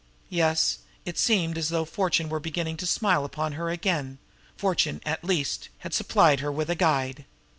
Yes, it seemed as though fortune were beginning to smile upon her again fortune, at least, had supplied her with a guide.